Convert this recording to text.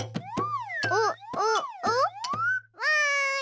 おおお？わい！